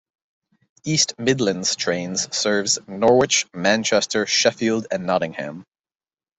East Midlands Trains serves Norwich, Manchester, Sheffield and Nottingham.